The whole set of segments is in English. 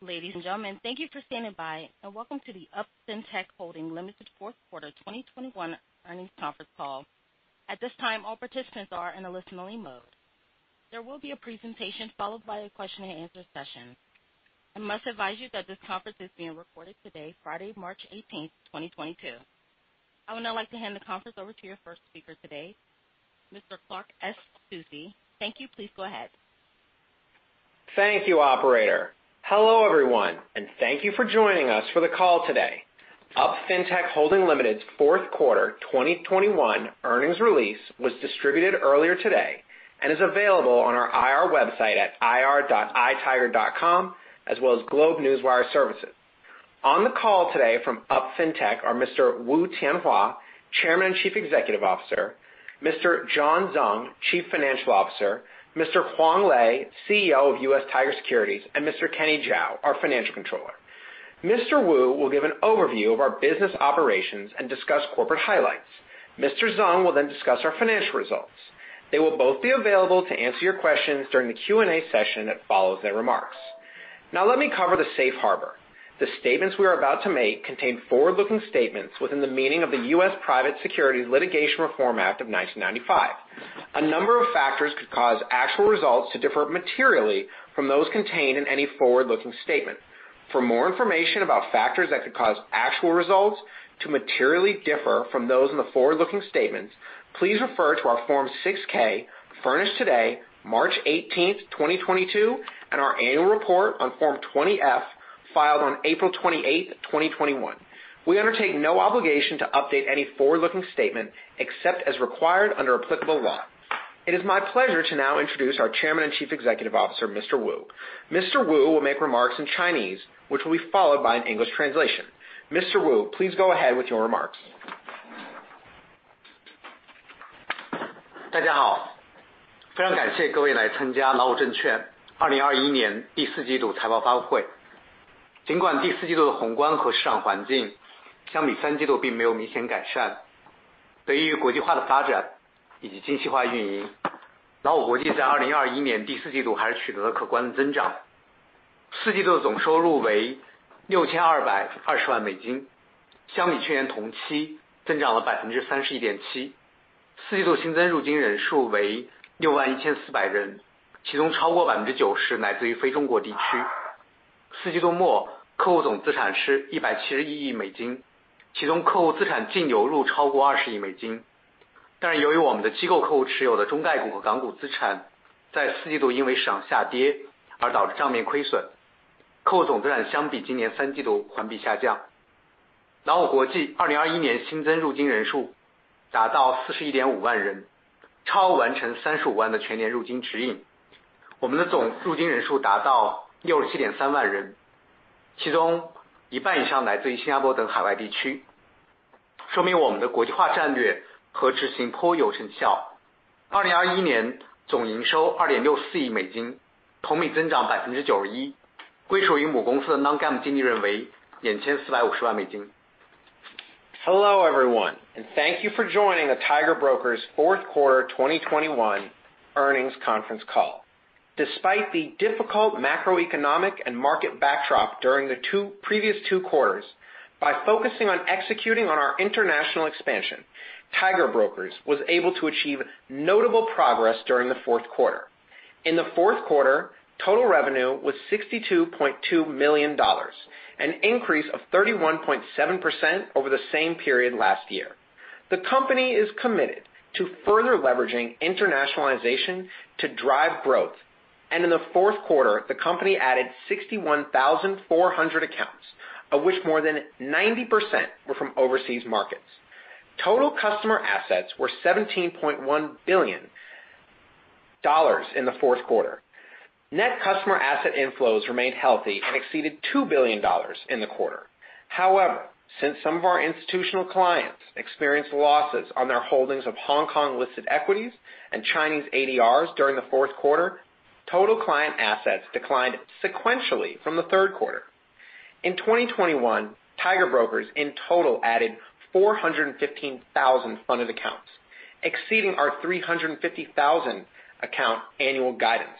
Ladies and gentlemen, thank you for standing by, and welcome to the UP Fintech Holding Limited fourth quarter 2021 earnings conference call. At this time, all participants are in a listen-only mode. There will be a presentation followed by a question and answer session. I must advise you that this conference is being recorded today, Friday, March 18, 2022. I would now like to hand the conference over to your first speaker today, Mr. Clark S. Soucy. Thank you. Please go ahead. Thank you, operator. Hello, everyone, and thank you for joining us for the call today. UP Fintech Holding Limited's fourth quarter 2021 earnings release was distributed earlier today and is available on our IR website at ir.itiger.com, as well as GlobeNewswire services. On the call today from UP Fintech are Mr. Wu Tianhua, Chairman and Chief Executive Officer, Mr. John Zeng, Chief Financial Officer, Mr. Huang Lei, CEO of US Tiger Securities, and Mr. Kenny Zhao, our Financial Controller. Mr. Wu will give an overview of our business operations and discuss corporate highlights. Mr. Zeng will then discuss our financial results. They will both be available to answer your questions during the Q&A session that follows their remarks. Now let me cover the Safe Harbor. The statements we are about to make contain forward-looking statements within the meaning of the U.S. Private Securities Litigation Reform Act of 1995. A number of factors could cause actual results to differ materially from those contained in any forward-looking statement. For more information about factors that could cause actual results to materially differ from those in the forward-looking statements, please refer to our Form 6-K, furnished today, March 18, 2022, and our annual report on Form 20-F, filed on April 28, 2021. We undertake no obligation to update any forward-looking statement except as required under applicable law. It is my pleasure to now introduce our Chairman and Chief Executive Officer, Mr. Wu. Mr. Wu will make remarks in Chinese, which will be followed by an English translation. Mr. Wu, please go ahead with your remarks. Hello, everyone, and thank you for joining the Tiger Brokers fourth quarter 2021 earnings conference call. Despite the difficult macroeconomic and market backdrop during the two previous quarters, by focusing on executing on our international expansion, Tiger Brokers was able to achieve notable progress during the fourth quarter. In the fourth quarter, total revenue was $62.2 million, an increase of 31.7% over the same period last year. The company is committed to further leveraging internationalization to drive growth. In the fourth quarter, the company added 61,400 accounts, of which more than 90% were from overseas markets. Total customer assets were $17.1 billion in the fourth quarter. Net customer asset inflows remained healthy and exceeded $2 billion in the quarter. However, since some of our institutional clients experienced losses on their holdings of Hong Kong-listed equities and Chinese ADRs during the fourth quarter, total client assets declined sequentially from the third quarter. In 2021, Tiger Brokers in total added 415,000 funded accounts, exceeding our 350,000 account annual guidance.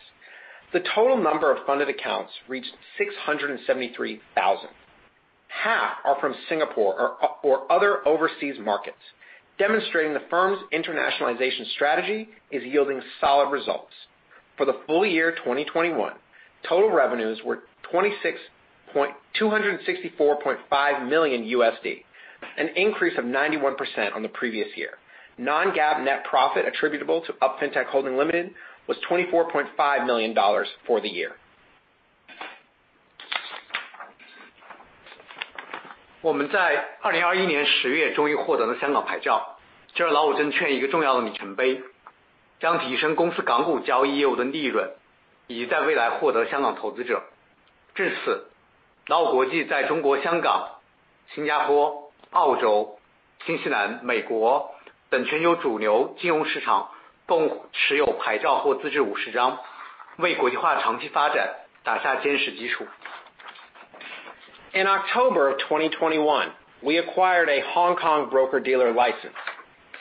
The total number of funded accounts reached 673,000. Half are from Singapore or other overseas markets, demonstrating the firm's internationalization strategy is yielding solid results. For the full year 2021, total revenues were $264.5 million, an increase of 91% on the previous year. Non-GAAP net profit attributable to UP Fintech Holding Limited was $24.5 million for the year. In October 2021, we acquired a Hong Kong broker-dealer license,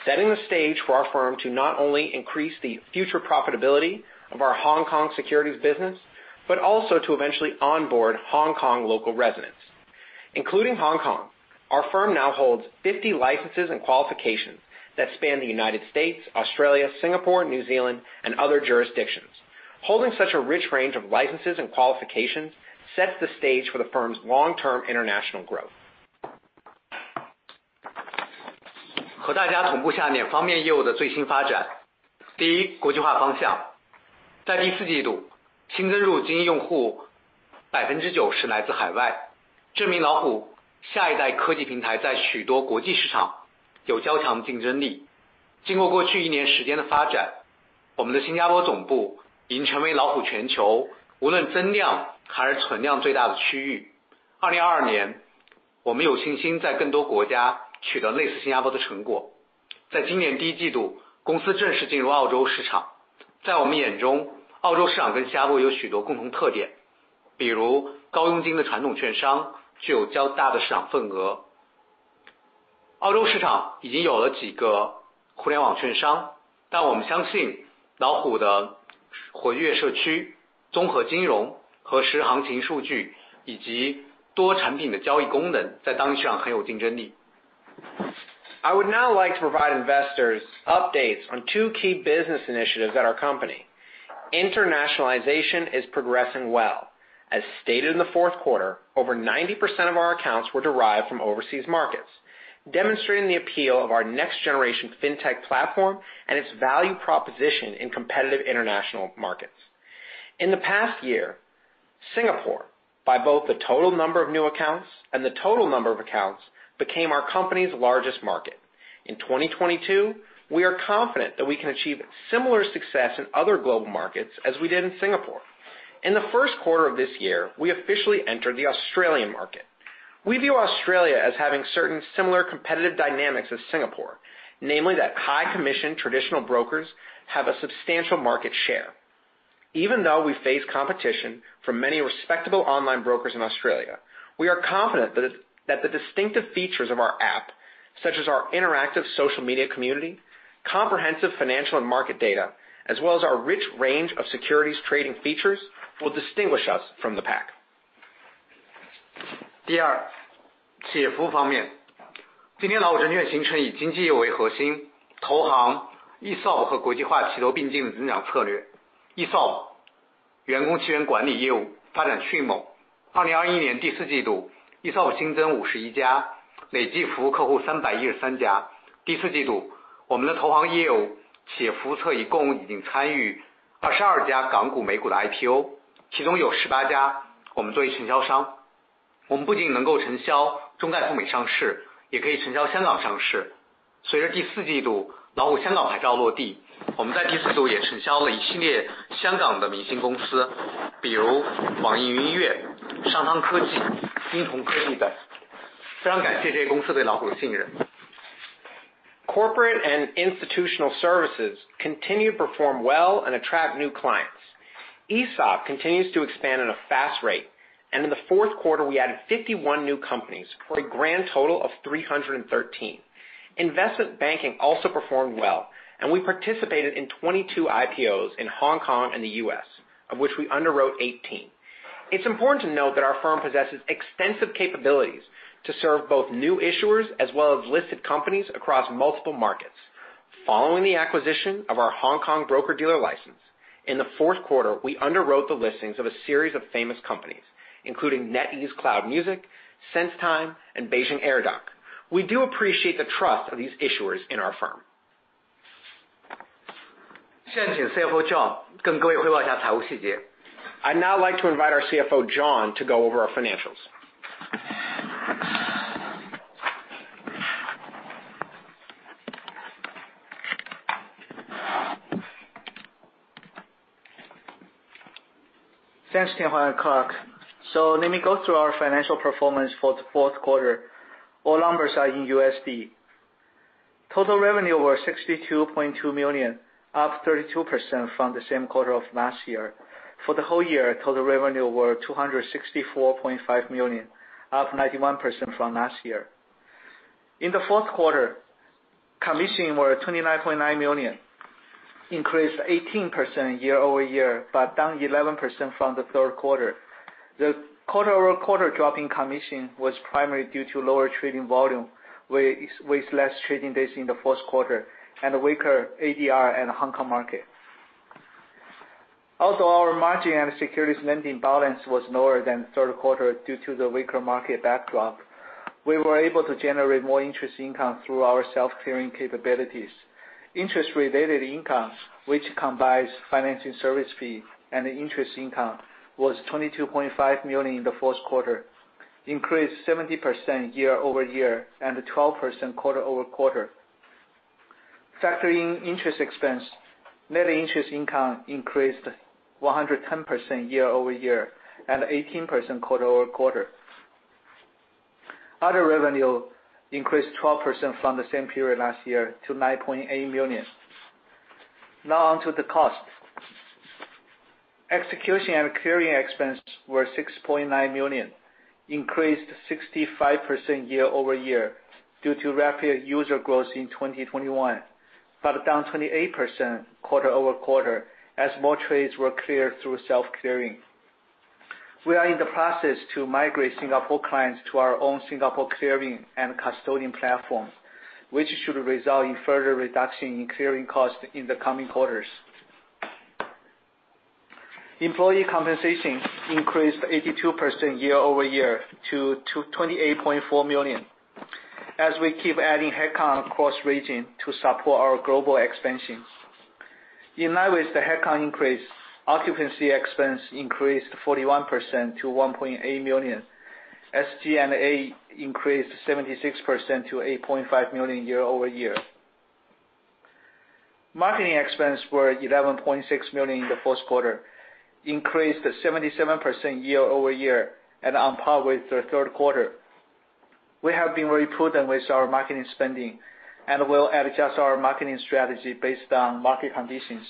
setting the stage for our firm to not only increase the future profitability of our Hong Kong securities business, but also to eventually onboard Hong Kong local residents. Including Hong Kong, our firm now holds 50 licenses and qualifications that span the United States, Australia, Singapore, New Zealand, and other jurisdictions. Holding such a rich range of licenses and qualifications sets the stage for the firm's long-term international growth. I would now like to provide investors updates on two key business initiatives at our company. Internationalization is progressing well. As stated in the fourth quarter, over 90% of our accounts were derived from overseas markets, demonstrating the appeal of our next-generation fintech platform and its value proposition in competitive international markets. In the past year, Singapore, by both the total number of new accounts and the total number of accounts, became our company's largest market. In 2022, we are confident that we can achieve similar success in other global markets as we did in Singapore. In the first quarter of this year, we officially entered the Australian market. We view Australia as having certain similar competitive dynamics as Singapore, namely that high-commission traditional brokers have a substantial market share. Even though we face competition from many respectable online brokers in Australia, we are confident that the distinctive features of our app, such as our interactive social media community, comprehensive financial and market data, as well as our rich range of securities trading features, will distinguish us from the pack. Corporate and institutional services continue to perform well and attract new clients. ESOP continues to expand at a fast rate, and in the fourth quarter, we added 51 new companies for a grand total of 313. Investment banking also performed well, and we participated in 22 IPOs in Hong Kong and the U.S., of which we underwrote 18. It's important to note that our firm possesses extensive capabilities to serve both new issuers, as well as listed companies across multiple markets. Following the acquisition of our Hong Kong broker-dealer license, in the fourth quarter, we underwrote the listings of a series of famous companies, including NetEase Cloud Music, SenseTime, and Beijing Airdoc. We do appreciate the trust of these issuers in our firm. I'd now like to invite our CFO, John, to go over our financials. Thanks, Tianhua and Clark. Let me go through our financial performance for the fourth quarter. All numbers are in USD. Total revenue was $62.2 million, up 32% from the same quarter of last year. For the whole year, total revenue were $264.5 million, up 91% from last year. In the fourth quarter, commission were $29.9 million, increased 18% year-over-year, but down 11% from the third quarter. The quarter-over-quarter drop in commission was primarily due to lower trading volume, with less trading days in the fourth quarter and a weaker ADR and Hong Kong market. Also, our margin and securities lending balance was lower than third quarter due to the weaker market backdrop. We were able to generate more interest income through our self-clearing capabilities. Interest-related income, which combines financing service fee and interest income, was $22.5 million in the fourth quarter, increased 70% year-over-year and 12% quarter-over-quarter. Factoring interest expense, net interest income increased 110% year-over-year and 18% quarter-over-quarter. Other revenue increased 12% from the same period last year to $9.8 million. Now on to the costs. Execution and clearing expense were $6.9 million, increased 65% year-over-year due to rapid user growth in 2021, but down 28% quarter-over-quarter as more trades were cleared through self-clearing. We are in the process to migrate Singapore clients to our own Singapore clearing and custodian platform, which should result in further reduction in clearing costs in the coming quarters. Employee compensation increased 82% year-over-year to $28.4 million, as we keep adding headcounts across region to support our global expansion. In line with the headcount increase, occupancy expense increased 41% to $1.8 million. SG&A increased 76% to $8.5 million year-over-year. Marketing expense were $11.6 million in the first quarter, increased 77% year-over-year and on par with the third quarter. We have been very prudent with our marketing spending and will adjust our marketing strategy based on market conditions.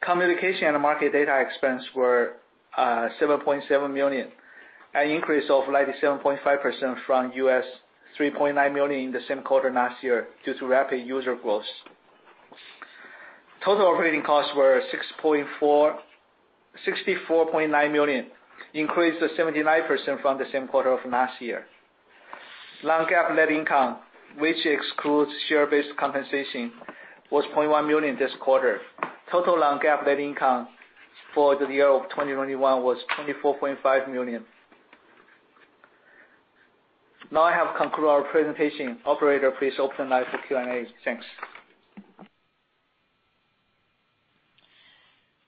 Communication and market data expense were $7.7 million, an increase of 97.5% from $3.9 million in the same quarter last year due to rapid user growth. Total operating costs were $64.9 million, increased 79% from the same quarter of last year. Non-GAAP net income, which excludes share-based compensation, was $0.1 million this quarter. Total non-GAAP net income for the year of 2021 was $24.5 million. Now I have concluded our presentation. Operator, please open line for Q&A. Thanks.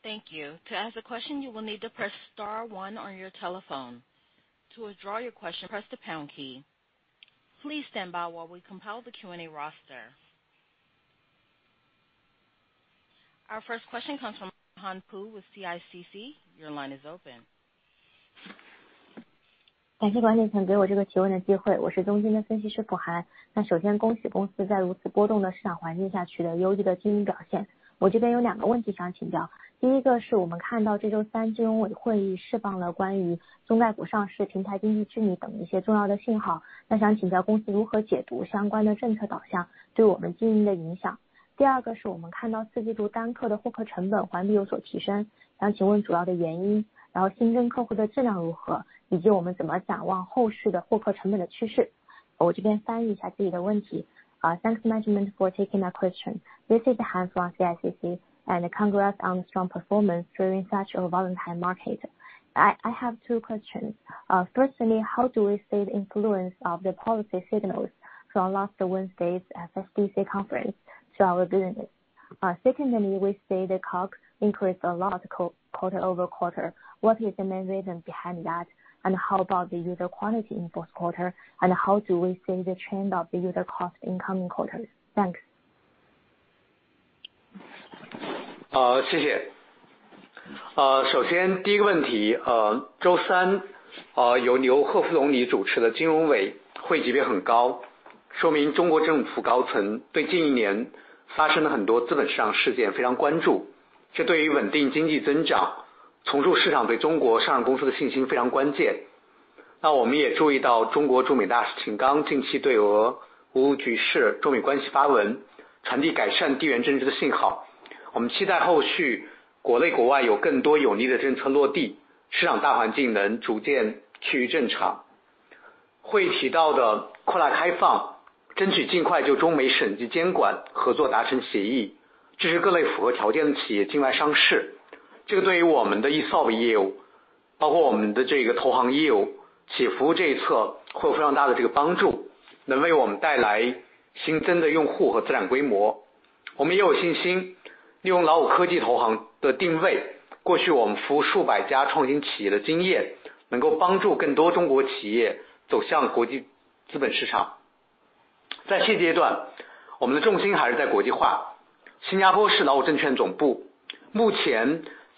Thank you. To ask a question, you will need to press star one on your telephone. To withdraw your question, press the pound key. Please stand by while we compile the Q&A roster. Our first question comes from Han Pu with CICC. Your line is open. Thanks, management, for taking my question. This is Han from CICC, and congrats on strong performance during such a volatile market. I have two questions. Firstly, how do we see the influence of the policy signals from last Wednesday's FSDC conference to our business? Secondly, we see the cost increased a lot quarter-over-quarter. What is the main reason behind that? And how about the user quantity in fourth quarter? And how do we see the trend of the user cost in coming quarters? Thanks.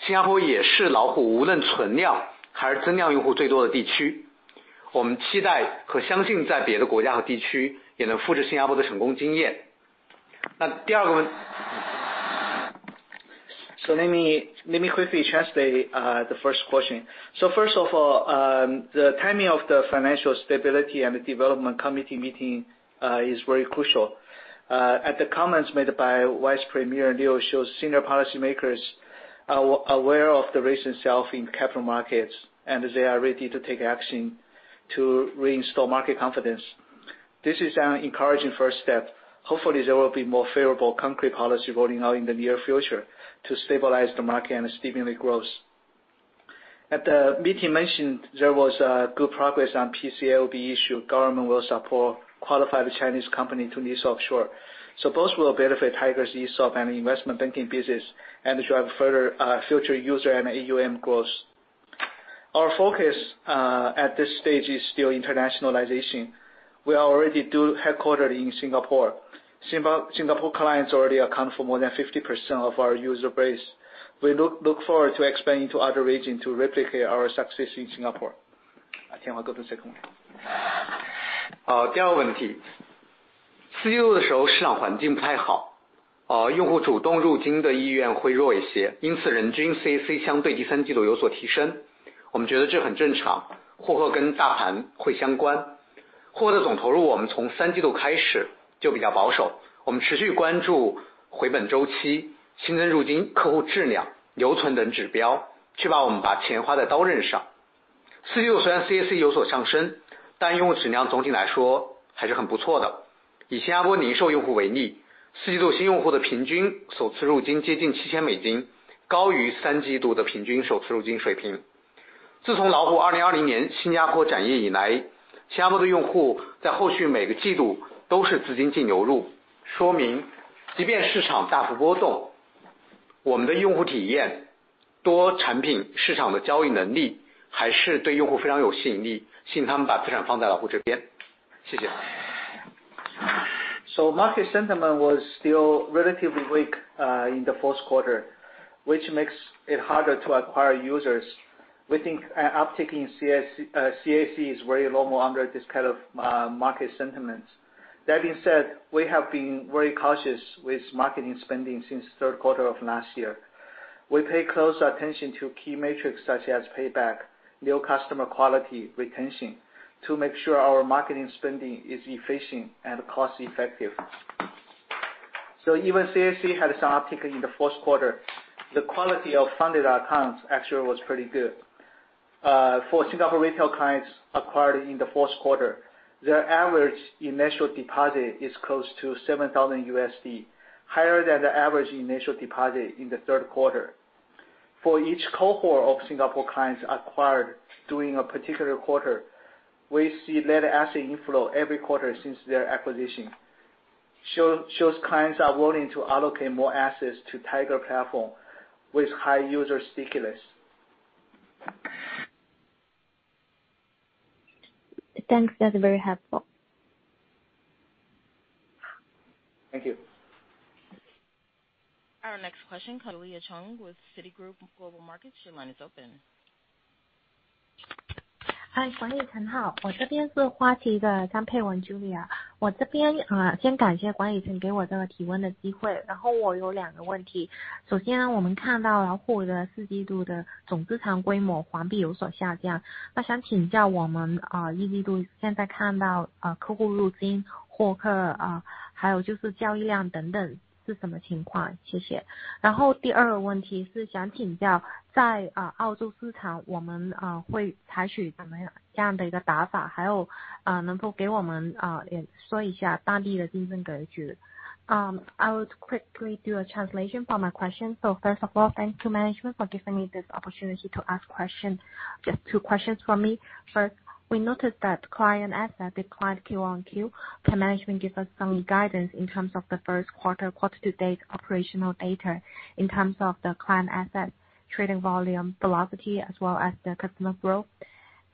Let me quickly translate the first question. First of all, the timing of the Financial Stability and Development Committee meeting is very crucial. The comments made by Vice Premier Liu shows senior policymakers are aware of the recent sell-off in capital markets, and they are ready to take action to reinstall market confidence. This is an encouraging first step. Hopefully, there will be more favorable concrete policy rolling out in the near future to stabilize the market and stimulate growth. At the meeting mentioned, there was good progress on PCAOB issue. Government will support qualified Chinese company to list offshore. Both will benefit Tiger's ESOP and investment banking business and drive further future user and AUM growth. Our focus at this stage is still internationalization. We are already headquartered in Singapore. Singapore clients already account for more than 50% of our user base. We look forward to expanding to other region to replicate our success in Singapore. Tianhua, go to the second one. Market sentiment was still relatively weak in the fourth quarter, which makes it harder to acquire users. We think our uptake in CAC is very low under this kind of market sentiment. That being said, we have been very cautious with marketing spending since third quarter of last year. We pay close attention to key metrics such as payback, new customer quality, retention to make sure our marketing spending is efficient and cost effective. Even CAC had some uptick in the fourth quarter. The quality of funded accounts actually was pretty good for Singapore retail clients acquired in the fourth quarter. Their average initial deposit is close to $7,000, higher than the average initial deposit in the third quarter. For each cohort of Singapore clients acquired during a particular quarter, we see net asset inflow every quarter since their acquisition. Shows clients are willing to allocate more assets to Tiger platform with high user stickiness. Thanks, that's very helpful. Thank you. Our next question, Judy Zhang with Citigroup Global Markets. Your line is open. 嗨，管理层好，我这边是花旗的张佩文 Julia，我这边先感谢管理层给我这个提问的机会，然后我有两个问题。首先我们看到了获得的四季度的总资产规模环比有所下降。那想请教我们，一季度现在看到，客户入金、获客，还有就是交易量等等是什么情况？谢谢。然后第二个问题是想请教在澳洲市场我们会采取怎么样这样的一个打法，还有，能够给我们也说一下大力的竞争格局。So first of all, thank you management for giving me this opportunity to ask question. Just two questions from me. First, we noticed that client asset declined Q on Q. Can management give us some guidance in terms of the first quarter to date operational data in terms of the client assets, trading volume, velocity as well as the customer growth?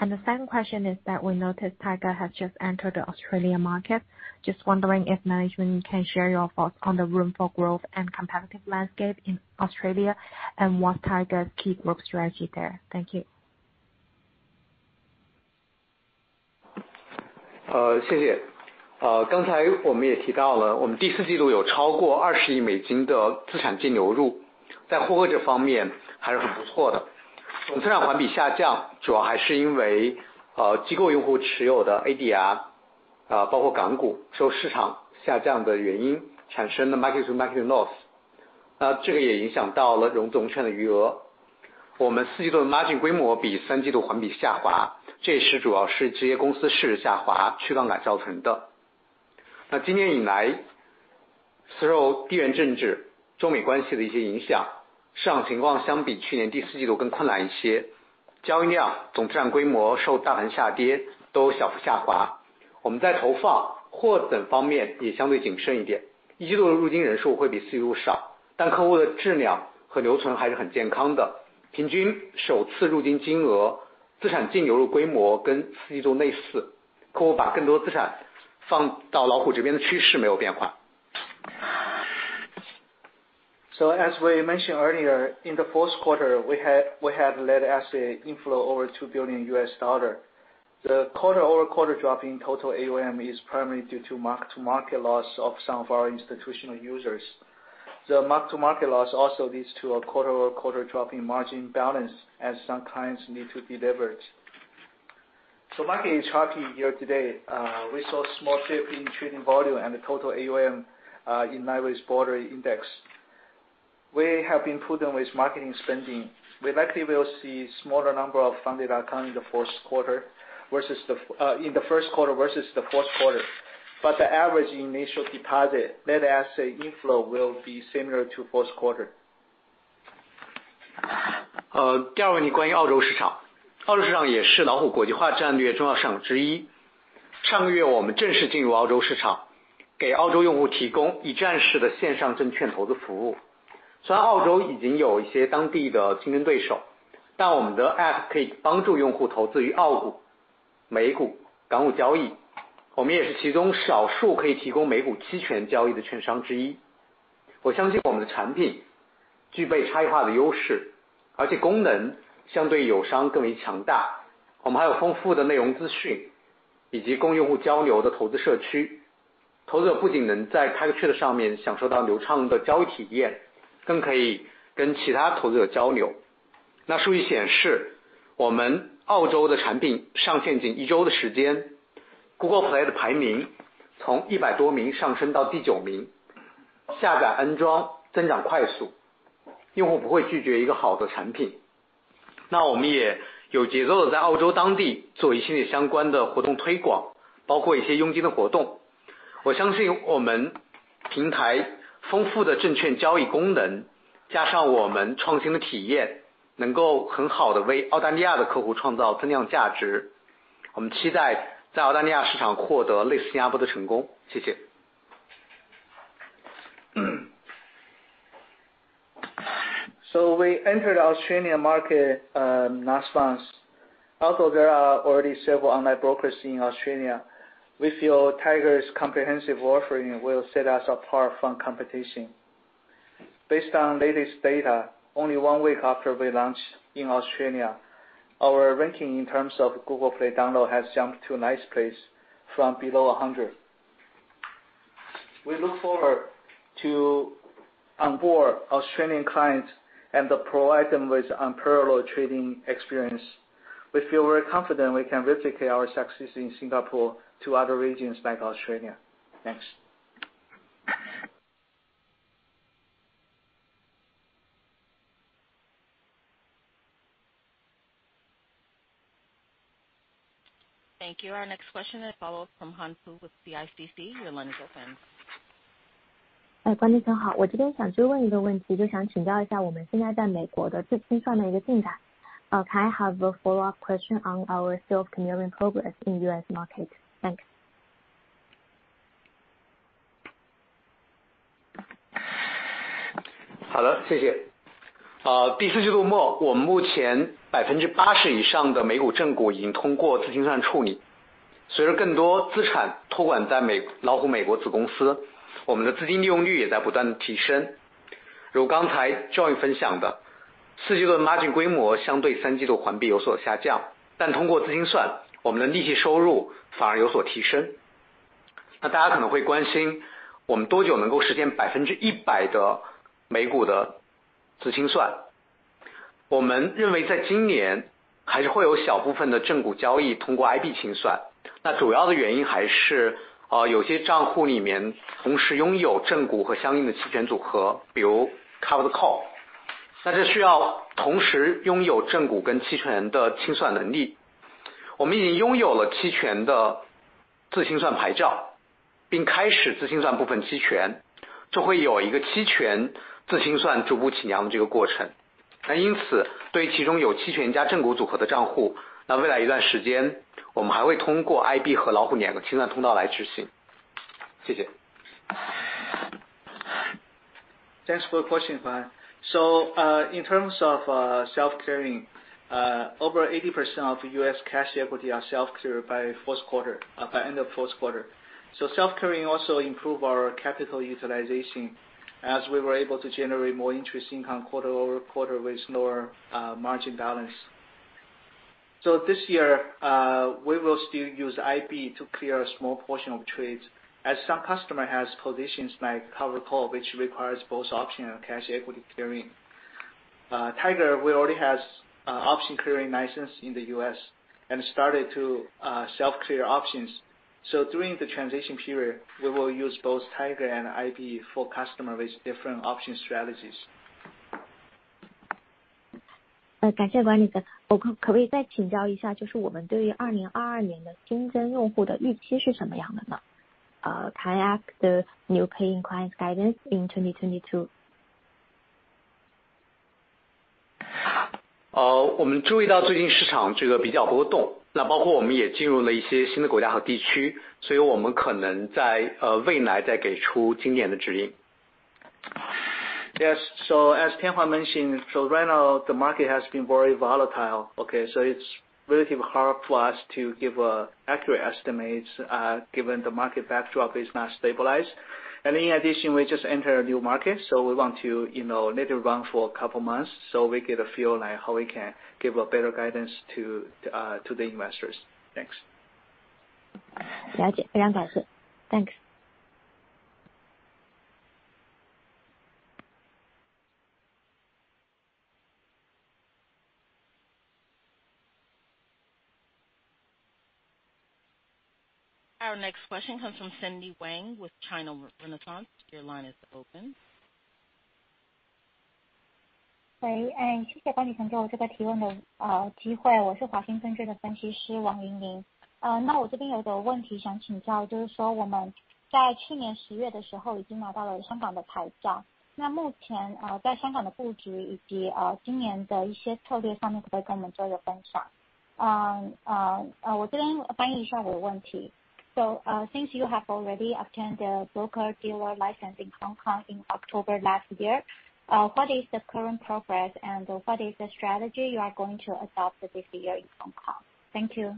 The second question is that we noticed Tiger has just entered the Australian market. Just wondering if management can share your thoughts on the room for growth and competitive landscape in Australia and what Tiger's key growth strategy there. Thank you. 刚才我们也提到了，我们第四季度有超过二十亿美金的资产净流入，在获客这方面还是很不错的。总资产环比下降，主要还是因为机构用户持有的ADR，包括港股受市场下降的原因产生的mark to market loss，那这个也影响到了我们总资产的余额。我们四季度的margin规模比三季度环比下滑，这也主要是子公司市值下滑驱动造成的。那今年以来，受地缘政治、中美关系的一些影响，市场情况相比去年第四季度更困难一些，交易量、总资产规模受大盘下跌都小幅下滑，我们在投放等方面也相对谨慎一点。一季度的入金人数会比四季度少，但客户的质量和留存还是很健康的。平均首次入金金额、资产净流入规模跟四季度类似，客户把更多资产放到老虎这边的趋势没有变化。As we mentioned earlier, in the fourth quarter, we had net asset inflow over $2 billion. The quarter-over-quarter drop in total AUM is primarily due to mark to market loss of some of our institutional users. The mark to market loss also leads to a quarter-over-quarter drop in margin balance as some clients need to de-leverage. Market is healthy year-to-date, we saw small dip in trading volume and the total AUM in NY border index. We have been prudent with marketing spending. We likely will see smaller number of funded account in the fourth quarter versus the in the first quarter versus the fourth quarter. The average initial deposit, net asset inflow will be similar to fourth quarter. Trade上面享受到流畅的交易体验，更可以跟其他投资者交流。数据显示，我们澳洲的产品上线仅一周的时间，Google Play的排名从一百多名上升到第九名，下载安装增长快速，用户不会拒绝一个好的产品。我们也有节奏地在澳洲当地做一些相关的活动推广，包括一些佣金的活动。我相信我们平台丰富的证券交易功能，加上我们创新的体验，能够很好地为澳大利亚的客户创造增量价值。我们期待在澳大利亚市场获得类似新加坡的成功。谢谢。We entered Australian market last month. Although there are already several online brokers in Australia. We feel Tiger's comprehensive offering will set us apart from competition. Based on latest data, only one week after we launch in Australia, our ranking in terms of Google Play download has jumped to ninth place from below 100. We look forward to onboard Australian clients and provide them with unparalleled trading experience. We feel very confident we can replicate our success in Singapore to other regions like Australia. Thanks. Thank you. Our next question is from Han Pu with CICC. Your line is open. 管理层好。我这边想就问一个问题，就想请教一下我们现在在美国的自清算的一个进展。Can I have a follow-up question on our self-clearing progress in US markets? Thanks. Thanks for the question, Han. In terms of self-clearing, over 80% of U.S. cash equity are self-cleared by fourth quarter, by end of fourth quarter. So self-clearing also improve our capital utilization as we were able to generate more interest income quarter-over-quarter with lower margin balance. So this year, we will still use IB to clear a small portion of trades as some customer has positions like covered call, which requires both option and cash equity clearing. Tiger will already has option clearing license in the U.S., and started to self-clear options. During the transition period, we will use both Tiger and IB for customer with different option strategies. 我可以再请教一下，就是我们对于2022年的新增用户的预期是什么样的呢？Can I ask the new paying clients guidance in 2022? 我们注意到最近市场比较波动，那包括我们也进入了一些新的国家和地区，所以我们可能在未来再给出今年的指引。Yes, as Tianhua Wu mention, right now the market has been very volatile. Okay, it's relatively hard for us to give an accurate estimates, given the market backdrop is not stabilized. In addition, we just enter a new market, so we want to, you know, let it run for a couple months so we get a feel like how we can give a better guidance to the investors. Thanks. 了解。非常感谢。Thanks。Our next question comes from Cindy Wang with China Renaissance. Your line is open. 谢谢管理层给我这个提问的机会。我是华兴证券的分析师王莹琳。那我这边有个问题想请教，就是说我们在去年十月的时候已经拿到了香港的牌照，那目前在香港的布局以及今年的一些策略方面可不可以跟我们做个分享？我这边翻译一下我的问题。Since you have already obtained a broker dealer license in Hong Kong in October last year, what is the current progress and what is the strategy you are going to adopt this year in Hong Kong? Thank you.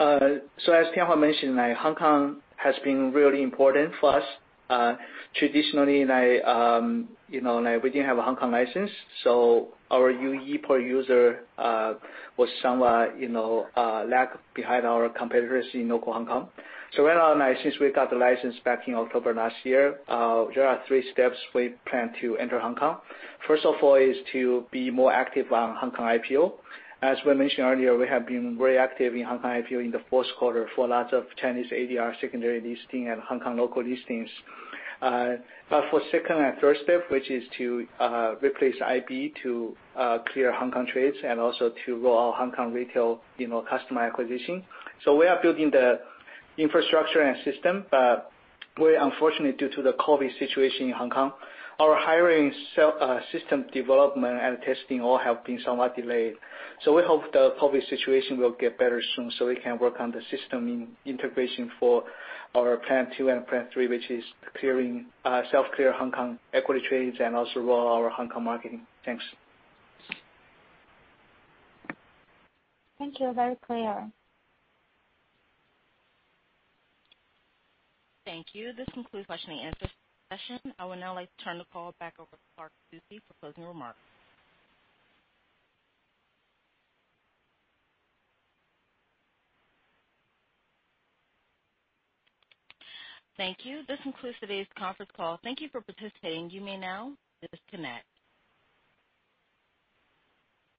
As Tianhua mentioned, like Hong Kong has been really important for us. Traditionally like you know like we didn't have a Hong Kong license, so our ARPU per user was somewhat you know lagging behind our competitors in local Hong Kong. Right on since we got the license back in October last year, there are three steps we plan to enter Hong Kong. First of all is to be more active on Hong Kong IPO. As we mentioned earlier, we have been very active in Hong Kong IPO in the fourth quarter for lots of Chinese ADR secondary listing and Hong Kong local listings. But for second and third step, which is to replace IB to clear Hong Kong trades and also to roll out Hong Kong retail, you know customer acquisition. We are building the infrastructure and system. But we unfortunately due to the COVID situation in Hong Kong, our hiring as well as system development and testing all have been somewhat delayed. So we hope the pandemic situation will get better soon, so we can work on the system integration for our plan two and plan three, which is self-clear Hong Kong equity trades and also roll out our Hong Kong marketing. Thanks. Thank you, very clear. Thank you. This concludes question and answer session. I would now like to turn the call back over to Clark S. Soucy for closing remarks. Thank you. This concludes today's conference call. Thank you for participating. You may now disconnect.